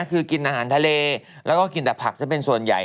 คือกินอาหารทะเลแล้วก็กินแต่ผักซะเป็นส่วนใหญ่